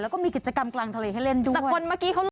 แล้วก็มีกิจกรรมกลางทะเลให้เล่นด้วย